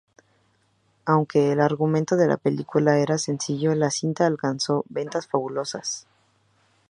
Aunque el argumento de la película era sencillo, la cinta alcanzó ventas fabulosas.